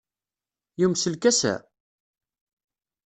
Yumes lkas-a?